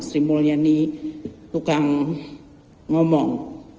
serimulnya nih tukang ngomong